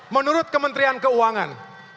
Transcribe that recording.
menurut kementerian keuangan